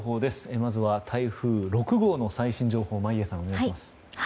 まずは台風６号の最新情報眞家さん、お願いします。